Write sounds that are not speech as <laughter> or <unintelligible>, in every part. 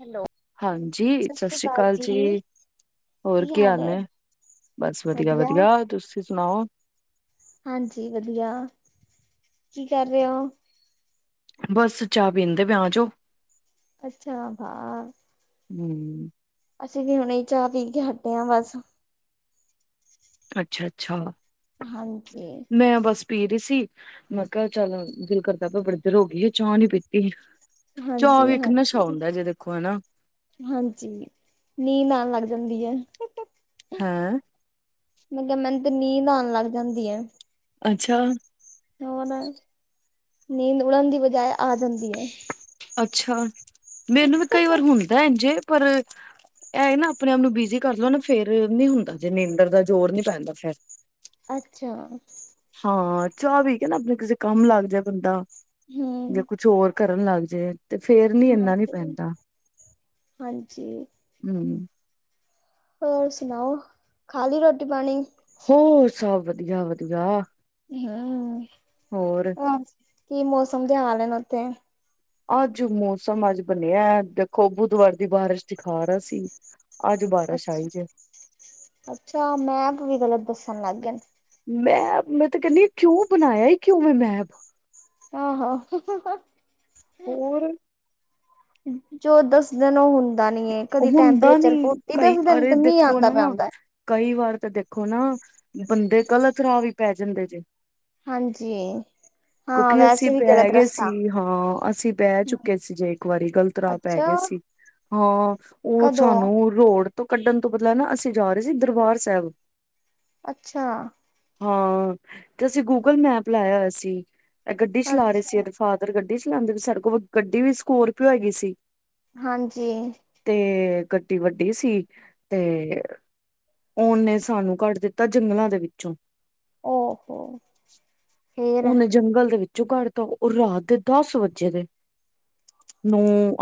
Hello ਹਾਂਜੀ ਸਤਿ ਸ੍ਰੀ ਅਕਾਲ ਜੀ ਹੋਰ ਕੀ ਹਾਲ ਨੇ ਬਸ ਵਧੀਆ ਵਧੀਆ ਤੁਸੀਂ ਸੁਣਾਓ ਹਾਂਜੀ ਵਧੀਆ ਕੀ ਕਰ ਰਹੇ ਹੋ ਬਸ ਚਾਹ ਪਿੰਦੇ ਪਏ ਆਜੋ ਅੱਛਾ ਹਾਂ ਹੂ,,, ਅੱਛਾ ਜੀ ਹੁਣੇ ਚਾਹ ਪੀ ਕੇ ਹਟੇ ਹਾਂ ਬਸ ਅੱਛਾ-ਅੱਛਾ। ਹਾਂਜੀ ਮੈਂ ਬਸ ਪੀ ਰਹੀ ਸੀ ਮੈਂ ਕਿਹਾ ਚੱਲ ਦਿਲ ਕਰਦਾ ਆਪਾਂ ਬੜੀ ਦਰ ਹੋ ਗਈ ਸੀ ਚਾਹ ਨੀ ਪੀਤੀ ਚਾਹ ਹਾਂਜੀ, ਵੀ ਇੱਕ ਨਸ਼ਾ ਹਾਂਜੀ, ਹੁੰਦਾ ਜੇ ਦੇਖੋ ਹਨਾ ਹਾਂਜੀ ਨੀਂਹ ਆਣ ਲੱਗ ਜਾਂਦੀ ਹੈ। ਹਾਂ ਮੈਂ ਕਿਹਾ ਮੈਨੂੰ ਤੇ ਨੀਂਦ ਆਣ ਲੱਗ ਜਾਂਦੀ ਏ ਅੱਛਾ। ਹੋਣ ਨੀਂਦ ਉੜਨ ਦੀ ਬਜਾਏ ਆ ਜਾਂਦੀ ਹੈ। ਅੱਛਾ ਮੈਨੂੰ ਵੀ ਕਈ ਵਾਰ ਹੁੰਦਾ ਇੰਝੇ ਪਰ ਇਹ ਨਾ ਆਪਣੇ ਆਪ ਨੂੰ ਬਿਜੀ ਕਰ ਲਓ ਨਾ ਫਿਰ ਨੀ ਹੁੰਦਾ ਜੇ ਨੀਂਦਰ ਦਾ ਜ਼ੋਰ ਨੀ ਪੈਂਦਾ ਫਿਰ ਅੱਛਾ। ਹਾਂ, ਚਾਹ ਪੀ ਕੇ ਨਾ, ਆਪਣੇ ਕਿਸੇ ਕੰਮ ਲੱਗ ਜਾਏ ਬੰਦਾ, ਜਾਂ ਹੂੰ, ਕੁਛ ਹੋਰ ਕਰਨ ਲੱਗ ਜੇ। ਜੇ, ਤੇ ਫੇਰ ਨੀ, ਇੰਨਾ ਨੀ ਹਾਂਜੀ। ਪੈਂਦਾ। ਹਾਂਜੀ। ਹਮ। ਹੋਰ ਸੁਣਾਓ, ਖਾ ਲਈ ਰੋਟੀ -ਪਾਣੀ? ਹੋਰ, ਸਭ ਵਧੀਆ- ਵਧੀਆ। <unintelligible> ਹੋਰ? ਬਸ, ਕੀ ਮੌਸਮ ਦੇ ਹਾਲ ਨੇ ਉੱਥੇ? ਅੱਜ, ਮੌਸਮ ਅੱਜ ਬਣਿਆ ਹੈ, ਦੇਖੋ ਬੁੱਧਵਾਰ ਦੀ ਬਾਰਿਸ਼ ਦਿਖਾ ਰਿਹਾ ਸੀ। ਅੱਜ ਬਾਰਿਸ਼ ਅੱਛਾ, ਆਈ ਜੇ ਅੱਛਾ ਮੈਪ ਵੀ ਗਲਤ ਦੱਸਣ ਲੱਗ ਗਏ ਨ। ਮੈਂ, ਮੈਂ ਤੇ ਕਹਿੰਦੀ, ਕਿਉਂ, ਬਣਾਇਆ ਈ, ਕਿਉਂ ਐ ਮੈਂ ਮੈਪ? ਆਹੋ ਹੋਰ ਜੋ ਦਸਦੇ ਨ, ਉਹ ਹੁੰਦਾ ਨਹੀਂ ਏ, ਕਦੀ ਹੁੰਦਾ ਨੀ ਟੈਂਪਰੇਚਰ ਫੋਰਟੀ ਕਈ ਦਸਦੇ ਨ ਅਰੇ ਤੇ ਮੀਂਹ ਦੇਖੋ ਆਉਂਦਾ, ਮੈਂ ਨਾ ਆਉਂਦਾ। ਕਈ ਵਾਰ, ਤਾਂ ਦੇਖੋ ਨਾ ਬੰਦੇ ਗ਼ਲਤ ਰਾਹ ਵੀ ਪੈ ਜਾਂਦੇ ਜੇ। ਹਾਂਜੀ। ਹਾਂ ਕਿਉਂਕਿ, ਅਸੀਂ ਵੈਸੇ ਵੀ ਗਲਤ ਪੈ ਗਏ ਸੀ, ਰਸਤਾ ਹਾਂ ਅਸੀਂ ਪੈ ਚੁੱਕੇ ਸੀ ਜੇ, ਇੱਕ ਵਾਰੀ ਗ਼ਲਤ ਰਾਹ ਪੈ ਅੱਛਾ ਗਏ ਸੀ ਹਾਂ। ਉਹ ਕਦੋਂ ਸਾਨੂੰ, ਰੋਡ ਤੋਂ ਕੱਢਣ ਤੋਂ ਪਹਿਲਾਂ ਨਾ, ਅਸੀਂ ਜਾ ਰਹੇ ਸੀ, ਦਰਬਾਰ ਸਾਹਿਬ। ਅੱਛਾ। ਹਾਂ, ਤੇ ਅਸੀਂ ਗੂਗਲ ਮੈਪ ਲਾਇਆ ਹੋਇਆ ਸੀ, ਗੱਡੀ ਚਲਾ ਰਹੇ ਸੀ ਅੱਛਾ ਇਹਦੇ ਫਾ ਦਰ, ਗੱਡੀ ਚਲਾਉਂਦੇ ਪਏ ਸੀ। ਸਾਡੇ ਕੋਲ ਗੱਡੀ ਵੀ ਸਕੋਰਪੀਓ ਹੈਗੀ ਸੀ। ਹਾਂਜੀ। ਤੇ, ਗੱਡੀ ਵੱਡੀ ਸੀ ਤੇ ਉਹਨੇ, ਸਾਨੂੰ ਕੱਢ ਦਿੱਤਾ, ਜੰਗਲਾਂ ਦੇ ਵਿੱਚੋਂ ਓ, ਹੋ ਉਹਨੇ, ਜੰਗਲ ਦੇ ਵਿੱਚੋਂ ਕੱਢ ਤਾ, ਔਰ ਰਾਤ ਦੇ ਦਸ ਵਜੇ ਦੇ <unintelligible> ਨੌ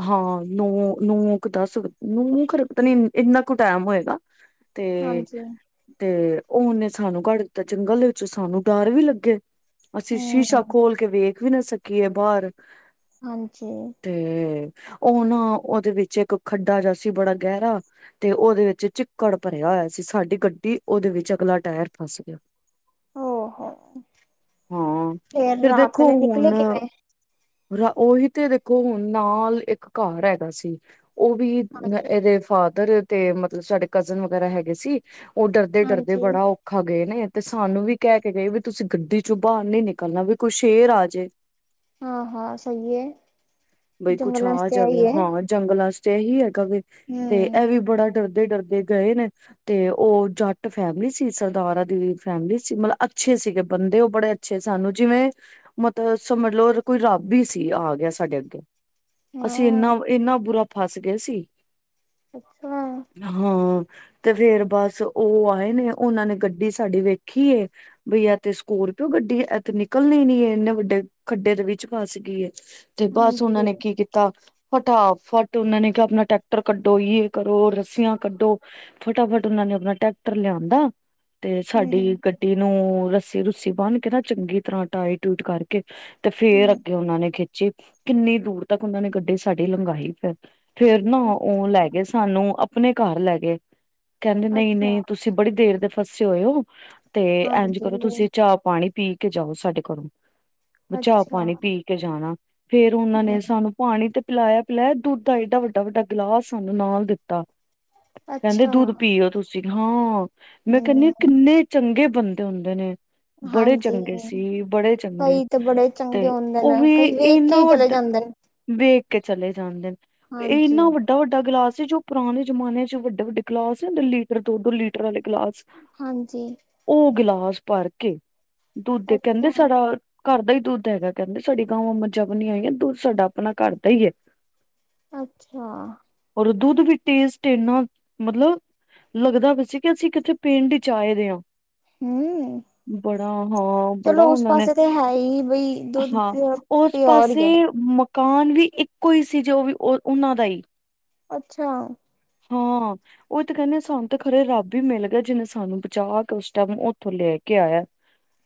ਹਾਂ ਨੌ, ਨੌ ਕ ਦੱਸ, ਨੌ ਖਰੇ ਪਤਾ ਨੀ ਇੰਨਾ ਕੁ ਟਾਈਮ ਹੋਏਗਾ। <unintelligible> ਤੇ, ਤੇ ਉਹਨੇ ਸਾਨੂੰ ਕੱਢ ਦਿੱਤਾ, ਜੰਗਲ ਦੇ ਵਿੱਚ, ਸਾਨੂੰ ਡਰ ਵੀ ਲੱਗੇ। ਅਸੀਂ, ਸ਼ੀਸ਼ਾ ਹੂੰ ਖੋਲ ਕੇ ਵੇਖ ਵੀ ਨਾ ਸਕੀਏ ਬਾਹਰ। ਹਾਂਜੀ। ਤੇ, ਉਹ ਨਾ, ਉਹਦੇ ਵਿੱਚ ਇੱਕ ਖੱਡਾ ਜਿਹਾ ਸੀ, ਬੜਾ ਗਹਿਰਾ ਤੇ, ਉਹਦੇ ਵਿੱਚ ਚਿੱਕੜ ਭਰਿਆ ਹੋਇਆ ਸੀ, ਸਾਡੀ ਗੱਡੀ ਉਹਦੇ ਵਿੱਚ, ਅਗਲਾ ਟਾਇਰ ਫੱਸ ਗਿਆ। ਉਹ ਹੋ, ਹਾਂ ਫੇਰ ਫਿਰ ਰਾਤ ਦੇਖੋ ਵੇਲੇ ਨਿਕਲੇ ਹੁਣ ਕਿਵੇਂ? ਉਹੀ ਤੇ ਦੇਖੋ, ਹੁਣ ਨਾਲ ਇੱਕ ਘਰ ਹੈਗਾ ਸੀ। ਉਹ ਵੀ, ਹਾਂਜੀ ਇਹਦੇ ਫਾਦਰ ਤੇ ਮਤਲਬ ਸਾਡੇ ਕਜ਼ਨ ਵਗੈਰਾ ਹੈਗੇ ਸੀ। ਉਹ ਡਰਦੇ- ਡਰਦੇ, ਹਾਂਜੀ ਬੜਾ ਔਖਾ ਗਏ ਨੇ, ਤੇ ਸਾਨੂੰ ਵੀ ਕਹਿ ਕੇ ਗਏ ਵੀ, ਤੁਸੀਂ ਗੱਡੀ ਚੌ, ਬਾਹਰ ਨਹੀਂ ਨਿਕਲਣਾ, ਵੀ ਕੋਈ ਸ਼ੇਰ ਆ ਜੇ ਹਾਂ- ਹਾਂ ਸਹੀ ਹੈ, ਬਈ ਕੁਛ ਜੰਗਲਾਂ ਚ ਆ ਤੇ ਇਹ ਜਾਵੇ ਹੀ ਹੈ। ਹਾਂ ਜੰਗਲਾਂ ਚ ਤੇ ਇਹੀ ਹੈਗਾ ਵੇ, ਤੇ ਇਹ ਵੀ ਬੜਾ ਡਰਦੇ- ਡਰਦੇ ਗਏ ਨੇ। ਤੇ ਉਹ ਜੱਟ ਫੈਮਿਲੀ ਸੀ, ਸਰਦਾਰਾਂ ਦੀ ਫੈਮਿਲੀ ਸੀ, ਮਤਲਬ ਅੱਛੇ ਸੀ ਗੇ ਬੰਦੇ ਉਹ ਬੜੇ ਅੱਛੇ, ਸਾਨੂੰ ਜਿਵੇਂ ਮਤਲਬ ਸਮਝ ਲਉ ਕੋਈ ਰੱਬ ਹੀ ਸੀ, ਆ ਗਿਆ ਸਾਡੇ ਅੱਗੇ। ਅਸੀਂ ਹਾਂ ਇੰਨਾ, ਇੰਨਾ ਬੁਰਾ ਫਸ ਗਏ ਸੀ। ਅੱਛਾ। ਹਾਂ, ਤੇ ਫਿਰ ਬਸ ਉਹ ਆਏ ਨੇ, ਉਹਨਾਂ ਨੇ ਗੱਡੀ ਸਾਡੀ ਵੇਖੀ ਏ ਬਈ ਇਹ ਤੇ ਸਕੋਰਪੀਓ ਗੱਡੀ ਹੈ, ਇਹ ਤਾਂ ਨਿਕਲਣੀ ਨਹੀਂ ਹੈ ਇੰਨੇ ਵੱਡੇ ਖੱਡੇ ਦੇ, ਵਿੱਚ ਫਸ ਗਈ ਹੈ। ਹਾਂ। ਉਨਾਂ ਨੇ ਕੀ ਕੀਤਾ ਫਟਾਫੱਟ ਉਨਾਂ ਨੇ ਕਿਆ ਅਪਣਾ ਟਰੈਕਟਰ ਕੱਢੋ, ਯੇ ਕਰੋ, ਰੱੱਸੀਆਂ ਕੱਢੋ ਫਟਾਫੱਟ ਉਨਾਂ ਨੇ ਅਪਣਾ ਟਰੈਕਟਰ ਲਿਆਂਦਾ ਤੇ ਸਾਡੀ ਹਮ ਗੱਡੀ ਨੂੰ ਰੱਸੀ ਰੁੱਸੀ ਬੰਨ ਕੇ ਨਾ ਚੰਗੀ ਤਰਾਂ ਟਾਈਟ ਟੂਟ ਕਰਕੇ ਤੇ ਫੇਰ ਹਮ ਅੱਗੇ ਉਨਾਂ ਨੇ ਖਿੱਚੀ ਕਿੰਨੀ ਦੂਰ ਤੱਕ ਉਨਾਂ ਨੇ ਗੱਡੀ ਸਾਡੀ ਲੰਘਾਈ ਫੇਰ। ਫੇਰ ਨਾ ਓ ਲੈ ਗਏ ਸਾਨੂੰ ਅਪਣੇ ਘਰ ਲੈ ਗਏ ਕੈਂਦੇ ਅੱਛਾ ਨਈ-ਨਈ ਤੁਸੀਂ ਤੁਸੀਂ ਬੜੀ ਦੇਰ ਦੇ ਫਸੇ ਹੋਏ ਓ ਤੇ ਇੰਝ ਹਾਂਜੀ ਕਰੋ ਤੁਸੀਂ ਚਾਹ ਪਾਣੀ ਪੀ ਕੇ ਜਾਓ ਸਾਡੇ ਘਰੋਂ, ਬਈ ਚਾਹ ਅੱਛਾ ਪਾਣੀ ਪੀ ਕੇ ਜਾਣਾ ਫੇਰ ਉਨਾਂ ਹਮ ਨੇ ਸਾਨੂੰ ਪਾਣੀ ਤੇ ਪਿਲਾਇਆ-ਪਿਲਾਇਆ, ਦੁੱਧ ਦਾ ਏਡਾ ਵੱਡਾ-ਵੱਡਾ ਗਿਲਾਸ ਸਾਨੂੰ ਨਾਲ ਦਿੱਤਾ। ਕੈਂਦੇ ਅੱਛਾ ਦੁੱਧ ਪੀਓ ਤੁਸੀਂ, ਹਾਂ, ਮੈਂ ਕੈਨੀ ਆ ਹਮ ਕਿੰਨੇ ਚੰਗੇ ਬੰਦੇ ਹੁੰਦੇ ਨੇ। ਬੜੇ ਹਾਂਜੀ ਚੰਗੇ ਸੀ, ਬੜੇ ਚੰਗੇ, ਕਈ ਤਾਂ ਬੜੇ ਚੰਗੇ ਤੇ ਹੁੰਦੇ ਨੇ ਓ ਵੀ ਕਈ ਵੇਖ ਕੇ ਇਨਾ ਹੀ ਚਲੇ ਵੱਡ, ਜਾਂਦੇ ਨੇ ਵੇਖ ਕੇ ਚਲੇ ਜਾਂਦੇਨ ਏ ਹਾਂਜੀ ਇੰਨਾ ਵੱਡਾ ਵੱ ਡਾ ਗਲਾਸ ਸੀ ਜੋ ਪੁਰਾਣੇ ਜਮਾਨੇ ਚ ਵੱਡੇ-ਵੱਡੇ ਗਲਾਸ ਸੀ ਲੀਟਰ ਦੋ-ਦੋ ਲੀਟਰ ਆਲੇ ਗਲਾਸ ਹਾਂਜੀ। ਓ ਗਿਲਾਸ ਭਰ ਕੇ ਦੁੱਧ ਕੈਂਦੇ ਅੱਛਾ ਸਾਡਾ ਘਰ ਦਾ ਈ ਦੁੱਧ ਹੈਗਾ ਕੈਂਦੇ ਸਾਡੀ ਗਾਵਾਂ ਮੱਝਾਂ ਬਨੀਆਂ ਹੋਈਆਂ ਦੁੱਧ ਸਾਡਾ ਅਪਣਾ ਘਰ ਦਾ ਈ ਹੈ ਐ। ਅੱਛਾ। ਓਰ ਦੁੱਧ ਵੀ ਟੇਸਟ ਏਨਾ ਮਤਲਬ ਲੱਗਦਾ ਪਿਆ ਸੀ ਕਿ ਅਸੀਂ ਕਿੱਥੇ ਪਿੰਡ ਚ ਆਏ ਦੇ ਆ। ਹਮ ਬੜਾ ਹਾਂ ਬੜਾ ਚਲੋ ਉਸ ਉਨਾਂ ਨੇ, ਪਾਸੇ ਤੇ ਹੈ ਹੀ ਬਈ ਦੁੱਧ ਹਾਂ ਪਿਓਰ ਓਸ ਪਿਓਰ ਹੀ ਪਾਸੇ ਹੈ ਮਕਾਨ ਵੀ ਇੱਕੋ ਈ ਸੀ ਜੋ ਵੀ ਓਨਾਂ ਦਾ ਈ। ਅੱਛਾ। ਹਾਂ। ਓਈ ਤੇ ਕੈਨੇ ਆ ਸਾਨ ਤੇ ਖਰੇ ਰੱਬ ਈ ਮਿਲ ਗਯਾ ਜਿਨੇ ਸਾਨੂੰ ਬਚਾ ਕੇ ਓਸ ਟਾਈਮ ਉੱਥੋਂ ਲੈ ਕੇ ਆਇਆ। <inaudible>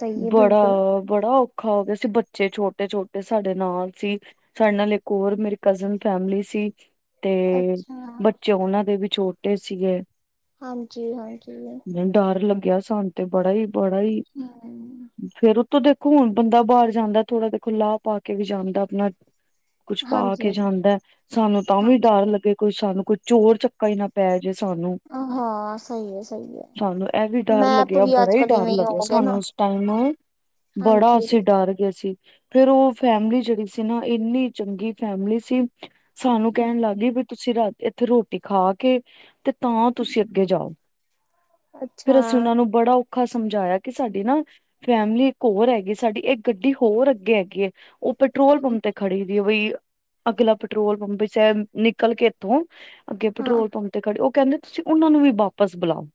ਸਹੀ ਹੈ ਬੜਾ, ਬਿਲਕੁਲ ਬੜਾ ਓਖਾ ਹੋ ਗਿਆ ਸੀ, ਬੱ ਚੇ ਛੋਟੇ-ਛੋਟੇ ਸਾਡੇ ਨਾਲ ਸੀ, ਸਾਡੇ ਨਾਲ ਇੱਕ ਓਰ ਮੇਰੀ ਕਜ਼ਨ ਫੈਮਲੀ ਸੀ ਤੇ ਅੱਛਾ ਬੱਚੇ ਉਨਾਂ ਦੇ ਵੀ ਛੋਟੇ ਸੀਗੇ। ਹਾਂਜੀ, ਹਾਂਜੀ। ਡਰ ਲੱਗਿਆ ਸਾਨੂੰ ਤੇ ਬੜਾ ਈ, ਬੜਾ ਈ। ਹੂੰ। ਫੇਰ ਉਤੋਂ ਦੇਖੋ ਹੁਣ ਬੰਦਾ ਬਾਰ ਜਾਂਦਾ, ਥੋੜਾ ਦੇਖੋ ਲਾ ਪਾ ਕੇ ਵੀ ਜਾਂਦਾ ਅਪਣਾ ਕੁਛ ਪਾ ਹਾਂਜੀ ਕੇ ਜਾਂਦਾ, ਸਾਨੂੰ ਤਾਂ ਵੀ ਹਾਂਜੀ ਡਰ ਲੱਗੇ ਕੋਈ ਸਾਨੂੰ ਕੋਈ ਚੋਰ ਚੱਕ ਕਾਂ ਈ ਨਾ ਪੈ ਜੇ ਸਾਨੂੰ ਹਾਂ ਸਹੀ ਹੈ ਸਹੀ ਹੈ। ਸਾਨੂੰ ਐ ਵੀ ਡਰ ਲੱ ਮੈਪ ਗਿਆ, ਵੀ ਬੜਾ ਅੱਜ ਈ ਕਲ ਡਰ ਇਵੇਂ ਹੀ ਲੱਗਿਆ, ਹੋ ਗਏ ਨਾ ਸਾਨੂੰ ਉਸ ਟਾਈਮ ਬੜਾ ਹਾਂਜੀ। ਅਸੀਂ ਡਰ ਗਏ ਸੀ। ਫੇਰ ਓ ਫੈਮਿਲੀ ਜੇੜੀ ਸੀ ਨਾ ਇੰਨੀ ਚੰਗੀ ਫੈਮਲੀ ਸੀ ਸਾਨੂੰ ਕੈਣ ਲੱਗ ਗਈ ਵੀ ਤੁਸੀਂ ਰਾਤੀ ਇੱਥੇ ਰੋਟੀ ਖਾ ਕੇ, ਤੇ ਤਾਂ ਤੁਸੀਂ ਅੱਗੇ ਜਾਓ, ਅੱਛਾ ਫਿਰ ਅਸੀਂ ਉਨਾਂ ਨੂੰ ਬੜਾ ਔਖਾ ਸਮਝਾਇਆ ਕਿ ਸਾਡੀ ਨਾ ਫੈਮਿਲੀ ਇੱਕ ਹੋਰ ਹੈਗੀ, ਸਾਡੀ ਇੱਕ ਗੱਡੀ ਹੋਰ ਅੱਗੇ ਹੈਗੀ ਏ ਓ ਪੈਟਰੋਲ ਪੰਪ ਤੇ ਖੜੀ ਦੀ, ਬਈ ਅਗਲਾ ਪੈਟਰੋਲ ਪੰਪ ਬਈ <unintelligible> ਨਿਕਲ ਕੇ ਥੋਂ ਅੱਗੇ ਹਾਂ ਪੈਟਰੋਲ ਪੰਪ ਤੇ ਖੜੇ, ਓ ਕੈਂਦੇ ਤੁਸੀਂ ਉਨਾਂ ਨੂੰ ਵੀ ਵਾਪਸ ਬੁਲਾਓ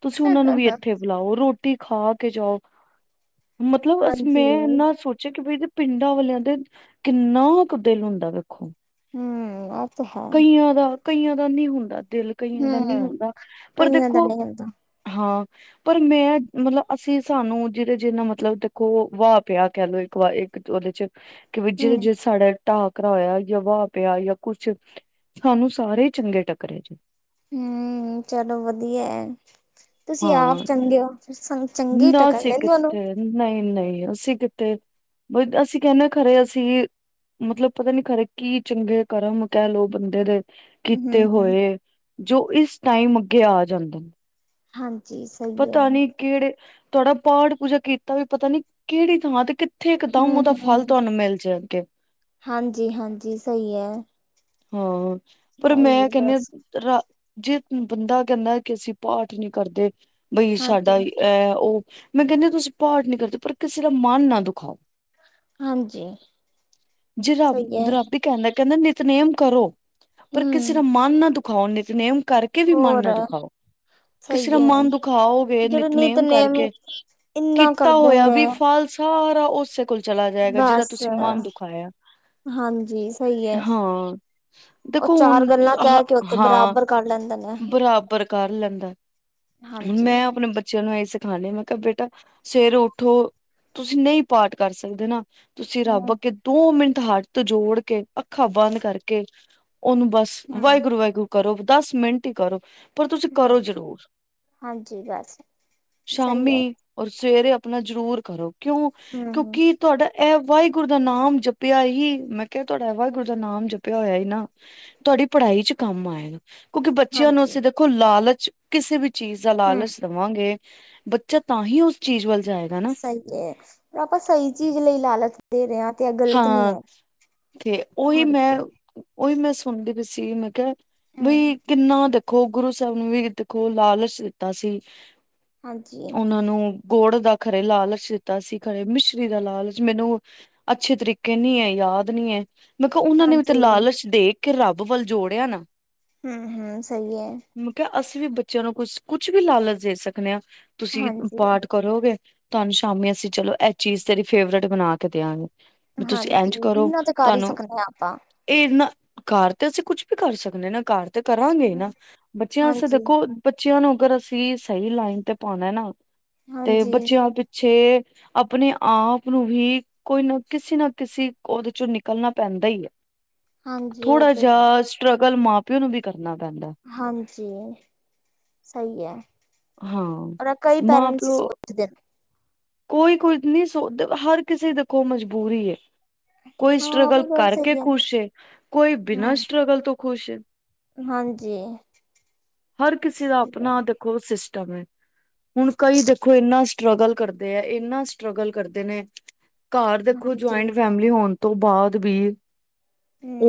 ਤੁਸੀਂ ਉਨਾ ਨੂੰ ਵੀ ਇੱਥੇ ਬੁਲਾਓ, ਰੋਟੀ ਖਾ ਕੇ ਜਾਓ, ਮਤਲਬ ਅਸੀ ਹਾਂਜੀ। ਮੈਂ ਇੰਨਾ ਸੋਚਿਆ ਕਿ ਬਈ ਇਦੇ ਪਿੰਡਾਂ ਆਲਿਆਂ ਦੇ ਕਿੰਨਾ ਕੁ ਦਿਲ ਹੁੰਦਾ ਵੇਖੋ। ਹੂੰ। ਤੇ ਹੈ ਕਈਆਂ ਦਾ, ਕਈਆਂ ਦਾ ਨਈ ਹੁੰਦਾ ਦਿਲ, ਕਈਆਂ ਦਾ ਨੀ ਹੂੰ ਹੁੰਦਾ, ਪਰ ਕਈਆਂ ਦਾ ਦੇਖੋ ਨਹੀਂ ਹੁੰਦਾ ਹਾਂ। ਪਰ ਮੈਂ ਮਤਲਬ ਅਸੀਂ ਸਾਨੂੰ ਜਿਦੇ-ਜਿਦੇ ਨਾਲ ਮਤਲਬ ਦੇਖੋ ਵਾਹ ਪਿਆ ਕੈ ਲੋ ਇੱਕ ਵਾਰੀ ਉਹਦੇ ਚ ਕਿ ਬਈ ਜਿਹੜੇ ਹੂੰ। ਜੇ ਸਾਡਾ ਟਾਕਰਾ ਹੋਇਆ ਯਾ ਵਾਹ ਪਿਆ ਯਾ ਕੁਛ ਸਾਨੂੰ ਸਾਰੇ ਚੰਗੇ ਟਕਰੇ ਜੇ। ਹੂੰ, ਚਲੋ ਵਧੀਆ ਐ ਤੁਸੀਂ ਹਾਂ। ਆਪ ਚੰਗੇ ਓ ਸੋ ਚੰਗੇ ਈ ਟਕਰਨੇਨ ਤੁਹਾਨੂੰ। ਨਈ-ਨਈ, ਅਸੀਂ ਕਿੱਥੇ ਅਸੀਂ ਕਹਨੇ ਖਰੇ ਅਸੀਂ ਮਤਲਬ ਪਤਾ ਨੀ ਖਰੇ ਕੀ ਚੰਗੇ ਕਰਮ ਕੈ ਲਓ ਬੰਦੇ ਦੇ ਹੂੰ ਕੀਤੇ ਹੂੰ ਹੋਏ ਜੋ ਇਸ ਟਾਈਮ ਅੱਗੇ ਆ ਜਾਂਦੇਨ। ਹਾਂਜੀ ਸਹੀ ਐ। ਕਿਹੜੇ ਤੁਹਾਡਾ ਪਾਠ ਪੂਜਾ ਕੀਤਾ ਵੀ ਪਤਾ ਨੀ ਕਿਹੜੀ ਥਾਂ ਤੇ ਕਿ ਉੱਥੇ ਇੱਕ ਦਮ ਹੂੰ ਓਦਾ ਹੂੰ ਫਲ ਤੁਹਾਨੂੰ ਮਿਲ ਜੇ ਅਗੇ। ਹਾਂਜੀ, ਹਾਂਜੀ ਸਹੀ ਐ। ਹਾਂ, ਪਰ ਮੈਂ ਕਹਿੰਨੀ ਬਸ ਰਾ ਜੇ ਬੰਦਾ ਕਹਿੰਦਾ ਕਿ ਅਸੀਂ ਪਾਠ ਨੀ ਕਰਦੇ ਬਈ ਹਾਂਜੀ। ਸਾਡਾ ਐ ਓ ਮੈਂ ਕਹਿੰਦੀ ਤੁਸੀਂ ਪਾਠ ਨਹੀਂ ਕਰਦੇ ਪਰ ਕਿਸੇ ਦਾ ਮਨ ਨਾ ਦੁਖਾਓ। ਹਾਂਜੀ ਜੇ ਰੱਬ, ਸਹੀ ਹੈ ਰੱਬ ਇੱਕ ਕਹਿੰਦਾ, ਕਹਿੰਦਾ ਨਿਤਨੇਮ ਕਰੋ ਪਰ ਕਿਸੇ ਹਮ ਦਾ ਮਨ ਨਾ ਦੁਖਾਓ ਨਿਤਨੇਮ ਕਰ ਕੇ ਵੀ ਮਨ ਹੋਰ ਨਾ ਦੁਖਾਓ, ਕਿਸੇ ਦਾ ਸਹੀ ਹੈ ਮਨ ਦੁਖਾਓਗੇ ਨਿਤਨੇਮ ਕਰਕੇ ਇੰਨਾ ਕੀਤਾ ਕਰਦੇ ਹੋਇਆ ਨੇ ਵੀ ਫਲ ਸਾਰਾ ਓਸ ਕੋਲ ਚਲਾ ਜਾਏਗਾ ਜਿਹਦਾ ਬਸ ਤੁਸੀਂ ਮਨ ਦੁਖਾਇਆ, ਹਾਂਜੀ ਸਹੀ ਹੈ ਹਾਂ। ਉਹ ਦੇਖੋ ਹੁਨ ਚਾਰ ਗੱਲਾਂ ਹ ਕਹਿ ਕੇ ਉੱਥੇ ਹਾਂ, ਬਰਾਬਰ ਕਰ ਲੈਂਦੇ ਨੇ ਬਰਾਬਰ ਕਰ ਲੈਂਦਾ। ਹਾਂ ਮੈਂ ਆਪਣੇ ਬੱਚਿਆਂ ਨੂੰ ਐਈ ਸਿਖਾਨੀ ਮੈਂ ਕਿਹਾ ਬੇਟਾ ਸਵੇਰੇ ਉੱਠੋ, ਤੁਸੀਂ ਨਹੀਂ ਪਾਠ ਕਰ ਸਕਦੇ ਨਾ ਤੁਸੀਂ ਰੱਬ ਹਮ ਅੱਗੇ ਦੋ ਮਿੰਟ ਹੱਥ ਜੋੜ ਕੇ, ਅੱਖਾਂ ਬੰਦ ਕਰਕੇ ਉਹਨੂੰ ਬਸ ਹਮ ਵਾਹਿਗੁਰੂ-ਵਾਹਿਗੁਰੂ ਕਰੋ, ਦਸ ਮਿੰਟ ਹੀ ਕਰੋ। ਪਰ ਤੁਸੀਂ ਹਾਂ ਕਰੋ ਜ਼ਰੂਰ, ਹਾਂਜੀ ਬਸ ਸਹੀ ਹੈ ਸ਼ਾਮੀ ਔਰ ਸਵੇਰੇ ਅਪਨਾ ਜ਼ਰੂਰ ਕਰੋ, ਕਿਉਂ? ਹਮ ਹਮ ਕਿਉਂਕਿ ਤੁਹਾਡਾ ਇਹ ਵਾਹਿਗੁਰੂ ਦਾ ਨਾਮ ਜਪਿਆ ਹੀ, ਮੈਂ ਕਿਹਾ ਤੁਹਾਡਾ ਵਾਹਿਗੁਰੂ ਦਾ ਨਾਮ ਜਪ ਪਿਆ ਹੋਇਆ ਹੀ ਨਾ, ਤੁਹਾਡੀ ਪੜ੍ਹਾਈ ਚ ਕੰਮ ਆਏਗਾ ਕਿਉਂਕਿ ਬੱਚਿਆਂ ਨੂੰ ਹਾਂਜੀ ਅਸੀਂ ਦੇਖੋ ਲਾਲਚ ਕਿਸੇ ਵੀ ਚੀਜ਼ ਦਾ ਹਮ ਲਾਲਚ ਦਵਾਂਗੇ, ਬੱਚਾ ਤਾਂ ਹੀ ਉਸ ਚੀਜ਼ ਵੱਲ ਜਾਏਗਾ। ਨਾ ਸਹੀ ਏ ਜੇ ਆਪਾਂ ਸਹੀ ਚੀਜ਼ ਲਈ ਲਾਲਚ ਦੇ ਰਹੇ ਆਂ ਤੇ ਇਹ ਗ਼ਲਤ ਨੀ ਹਾਂ ਐ। ਤੇ ਉਹੀ ਮੈਂ, ਉ਼ਹੀ ਮੈਂ ਸੁਨਦੀ ਪਈ ਸੀ ਮੈਂ ਕਿਹਾ ਹਮ ਬਈ ਕਿੰਨਾ ਦੇਖੋ ਗੁਰੂ ਸਾਹਿਬ ਨੂੰ ਵੀ, ਦੇਖੋ ਲਾਲਚ ਦਿੱਤਾ ਸੀ ਹਾਂਜੀ ਉਹਨਾਂ ਨੂੰ ਗੋੜ ਦਾ ਖਰੇ ਲਾਲਚ ਦਿੱਤਾ ਸੀ, ਖਰੇ ਮਿਸ਼ਰੀ ਦਾ ਲਾਲਚ ਮੈਨੂੰ ਅੱਛੇ ਤਰੀਕੇ ਨੀ ਐ, ਯਾਦ ਨੀ ਐ ਮੈਂ ਕਿਹਾ ਉਹਨਾਂ ਨੇ ਹਾਂਜੀ ਕੁਛ ਦੇ ਕੇ ਰੱਬ ਵੱਲ ਜੋੜਿਆ ਨਾ। ਹੂੰ-ਹੂੰ, ਸਹੀ ਐ। ਮੈਂ ਕਿਹਾ ਅਸੀਂ ਵੀ ਬੱਚਿਆਂ ਨੂੰ ਕੁਛ, ਕੁਛ ਵੀ ਲਾਲਚ ਦੇ ਸਕਨੇ ਆਂ ਤੁਸੀਂ ਹਾਂਜੀ ਪਾਠ ਕਰੋਗੇ। ਤੁਹਾਨੂੰ ਸ਼ਾਮੀ ਅਸੀਂ ਚਲੋ ਇਹ ਚੀਜ਼ ਤੇਰੀ ਫੇਵਰੇਟ ਬਨਾ ਕੇ ਦਿਆਂਗੇ। ਵੀ ਤੁਸੀਂ ਹਾਂਜੀ, ਇੰਝ ਕਰੋ ਇਨ੍ਹਾਂ ਤੇ ਕਰ ਹੀ ਤੁਹਾਨੂੰ ਸਕਨੇ ਆਪਾਂ। ਇਹ ਨਾ, ਘਰ ਤੇ ਅਸੀਂ ਕੁਛ ਵੀ ਕਰ ਸਕਨੇ ਨਾ ਘਰ ਤੇ ਕਰਾਂਗੇ ਨਾ, ਬੱਚਿਆਂ ਵਾਸਤੇ ਹਾਂਜੀ ਦੇਖੋ ਬੱਚਿਆਂ ਨੂੰ ਅਗਰ ਅਸੀਂ ਸਹੀ ਲਾਈਨ ਤੇ ਪਾਨਾ ਨਾ ਤੇ ਹਾਂਜੀ ਬੱਚਿਆਂ ਪਿੱਛੇ ਅਪਨੇ ਆਪ ਨੂੰ ਵੀ ਕੋਈ ਨਾ ਕਿਸੇ ਨਾ ਕਿਸੀ ਉਹਦੇ ਚੋਂ ਨਿਕਲਣਾ ਪੈਂਦਾ ਹੀ ਐ। ਹਾਂਜੀ ਉਹ ਥੋੜਾ ਤੇ ਜਾ ਹੈ ਸਟਰਗਲ ਮਾਂ ਪਿਓ ਨੂੰ ਵੀ ਕਰਨਾ ਪੈਂਦਾ। ਹਾਂਜੀ, ਸਹੀ ਐ। ਹਾਂ ਔਰ ਐ ਕਈ ਮਾਂ ਪੈਰੈਂਟਸ ਪਿਓ ਸੋਚਦੇਨ। ਕੋਈ-ਕੋਈ ਨਹੀਂ ਸੋਚਦੇ ਹਰ ਕਿਸੇ ਦੇਖੋ ਮਜਬੂਰੀ ਏ। ਕੋਈ ਹਾਂ ਉਹ ਸਟ੍ਰਗਲ ਵੀ ਗੱਲ ਕਰਕੇ ਸਹੀ ਹੈ ਖੁਸ਼ ਏ, ਕੋਈ ਬਿਨਾਂ ਹਮ ਸਟ੍ਰਗਲ ਤੋਂ ਖ਼ੁਸ਼ ਏ। ਹਾਂਜੀ ਹਰ ਕਿਸੇ ਦਾ ਸਹੀ ਹੈ ਆਪਨਾ ਦੇਖੋ ਸਿਸਟਮ ਏ। ਹੁਨ ਕਈ ਦੇਖੋ ਇੰਨਾ ਸਟ੍ਰਗਲ ਕਰਦੇ ਏ, ਇੰਨਾ ਸਟਰਗਲ ਕਰਦੇ ਨੇ। ਘਰ ਦੇਖੋ ਹਾਂਜੀ ਜੁਆਇੰਟ ਫੈਮਿਲੀ ਹੋਨ ਤੋਂ ਬਾਅਦ ਵੀ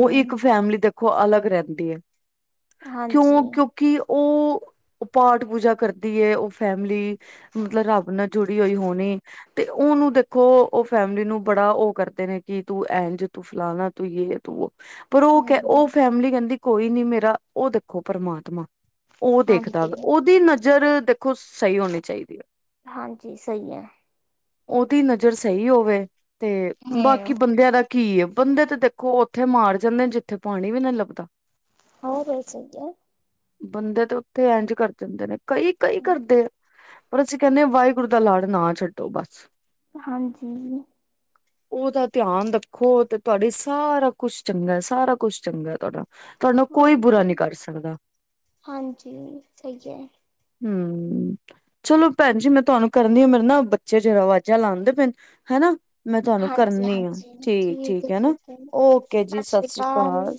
ਉਹ ਇੱਕ ਫੈਮਿਲੀ ਦੇਖ ਖੋ ਅਲੱਗ ਰਹਿੰਦੀ ਐ, ਹਾਂਜੀ ਕਿਉਂ, ਕਿਉਂ ਕਿ ਓ ਪਾਠ ਪੂਜਾ ਕਰਦੀ ਏ ਓ ਫੈਮਿਲੀ ਮਤਲਬ ਰੱਬ ਨਾਲ ਜੁੜ ਬੀ ਓਈ ਹੋਣੀ ਤੇ ਉਨੂੰ ਦੇਖੋ ਓ ਫੈਮਿਲੀ ਨੂੰ ਬੜਾ ਓ ਕਰਦੇ ਨੇ ਕਿ ਤੂੰ ਐਨਜ ਤੂੰ ਫਲਾਨਾ ਤੂੰ ਯੇ ਪਰ ਓ ਹਮ ਕੈ ਹਮ ਓ ਫੈਮਿਲੀ ਕੈਂਦੀ ਕੋਈ ਨੀ ਮੇਰਾ ਓ ਦੇਖੋ ਪਰਮਾਤਮਾ ਓ ਦੇਖਦਾ ਹਾਂਜੀ ਵਾ ਉਦੀ ਨਜ਼ਰ ਦੇਖੋ ੲਈ ਹੋਣੀ ਚਾਈਦੀ ਐ। ਹਾਂਜੀ ਸਈ ਐ। ਓਦੀ ਨਜ਼ਰ ਸਈ ਹੋਵੇ ਤੇ ਬਾਕੀ ਹਮ ਬੰਦਿਆਂ ਦਾ ਕੀ ਏ, ਬੰਦੇ ਤੇ ਦੇਖੋ ਓੱਥੇ ਮਾਰ ਜਾਂਦੇ ਜਿੱਥੇ ਪਾਣੀ ਵੀ ਨਈ ਲੱਬਦਾ। ਹੋਰ ਸੀ <unintelligible> ਬੰਦੇ ਤੇ ਓਥੇ ਇਂਝ ਕਰ ਦੇਂਦੇ ਨੇ ਕਈ, ਕਈ ਕਰਦੇ ਆ ਪਰ ਅਸੀਂ ਕੈਨੇ ਆ ਕਿ ਵਾਈ ਗੁਰ ਦਾ ਲੜ ਨਾ ਛੱਡੋ ਬਸ। ਹਾਂਜੀ। ਓਦਾ ਧਿਆਨ ਰੱਖੋ ਤੇ ਤੁਆਡੇ ਸਾਰਾ ਕੁਛ ਚੰਗਾ, ਸਾਰਾ ਕੁਛ ਚੰਗਾ ਤੁਆਡਾ। ਤੁਆਨੂੰ ਕੋਈ ਹੋਰ ਬੁਰਾ ਕੀ ਨੀ ਕਰ ਸਕਦਾ। ਹਾਂਜੀ ਸਹੀ ਹੈ ਹੂੰ, ਚਲੋ ਭੈਣ ਜੀ ਮੈਂ ਤੁਆਨੂੰ ਕਰਨੀ ਆ, ਮੇਰੇ ਨਾ ਬੱਚੇ ਜਰਾ ਵਾਜ਼ਾਂ ਲਾਂਦੇ ਪੇਣ, ਹੈਨਾ ਮੈਂ ਤੁਆਨੂੰ ਹਾਂਜੀ ਕਰਨੀ ਆ, ਹਾਂਜੀ ਠੀਕ ਠੀਕ-ਠੀਕ ਹੈ ਐ ਨਾ, ਠੀਕ ਹੈ ਓਕੇ ਜੀ ਸਤਿ ਸ੍ਰੀ ਸਾਸੀ ਅਕਾਲ ਕਾਲ।